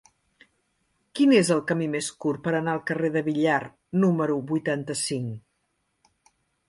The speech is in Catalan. Quin és el camí més curt per anar al carrer de Villar número vuitanta-cinc?